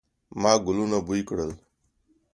ما ګلونه بوی کړل